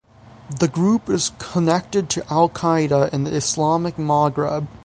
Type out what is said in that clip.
The group is connected to Al-Qaeda in the Islamic Maghreb.